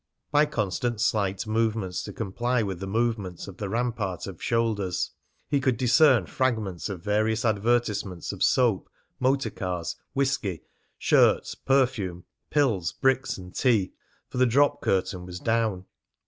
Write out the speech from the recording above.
By constant slight movements to comply with the movements of the rampart of shoulders, he could discern fragments of various advertisements of soap, motor cars, whisky, shirts, perfume, pills, bricks, and tea, for the drop curtain was down.